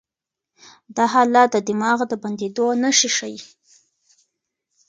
دا حالت د دماغ د بندېدو نښې ښيي.